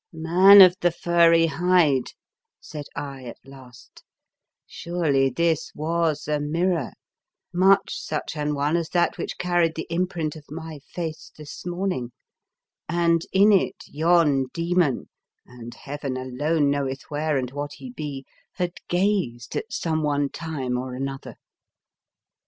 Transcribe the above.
" Man of the furry hide," said I at last, " surely this was a mirror, much such an one as that which carried the imprint of my face this morning, and in it yon demon — and Heaven alone knoweth where and what he be — had gazed at some one time or another.